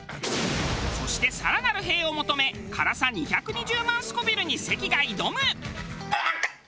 そして更なる「へぇ」を求め辛さ２２０万スコヴィルに関が挑む！